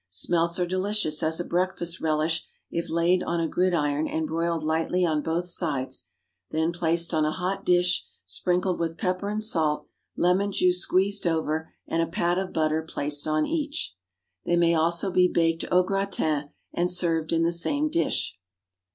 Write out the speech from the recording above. Smelts are delicious as a breakfast relish if laid on a gridiron and broiled lightly on both sides, then placed on a hot dish, sprinkled with pepper and salt, lemon juice squeezed over, and a pat of butter placed on each. They may also be baked au gratin, and served in the same dish.